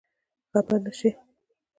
خپه نه شې؟